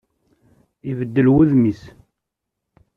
Ibeddel wudem-is.